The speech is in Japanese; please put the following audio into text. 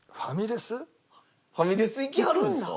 ファミレス行きはるんですか？